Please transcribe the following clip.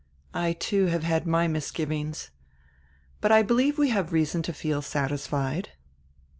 I, too, have had my misgivings. But I believe we have reason to feel satisfied."